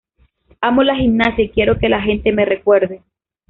Amo la gimnasia y quiero que la gente me recuerde".